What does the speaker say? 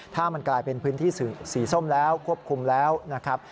ถ้ามันกลายเป็นพื้นที่สีส้มแล้วควบคุมแล้วนะครับ